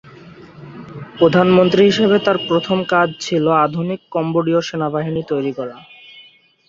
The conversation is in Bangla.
প্রধানমন্ত্রী হিসাবে তাঁর প্রথম কাজ ছিল আধুনিক কম্বোডীয় সেনাবাহিনী তৈরি করা।